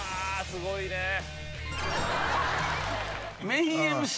「メインＭＣ」